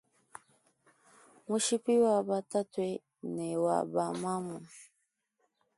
Mushipi wa ba tatue ne wa ba mamu.